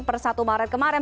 per satu maret kemarin